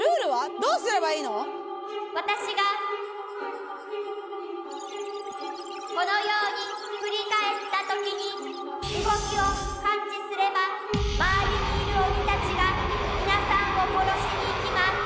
私がこのように振り返ったときに動きを感知すれば、周りにいる鬼たちが皆さんを殺しにいきます。